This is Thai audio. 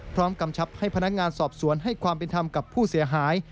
กำชับให้พนักงานสอบสวนให้ความเป็นธรรมกับผู้เสียหาย